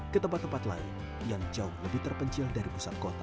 ke tempat tempat lain yang jauh lebih terpencil dari pusat kota